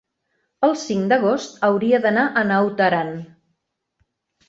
el cinc d'agost hauria d'anar a Naut Aran.